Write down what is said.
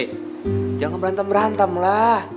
eh jangan berantem berantemlah